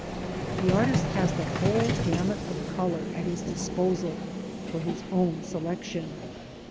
The artist has the whole gamut of colour at his disposal for his own selec tion.